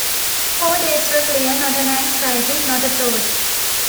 Four days were clear — not an anxiety, not a thought.